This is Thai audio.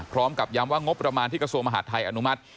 พร้อมกับย้ำว่างบประมาณที่กระทรวงมหาดไทยอนุมัติ